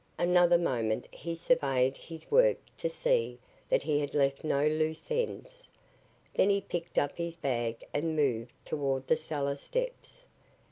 Another moment he surveyed his work to see that he had left no loose ends. Then he picked up his bag and moved toward the cellar steps.